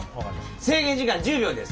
制限時間１０秒です。